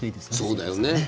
そうだよね。